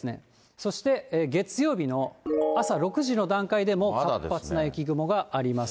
そして月曜日の朝６時の段階でも、もう活発な雪雲があります。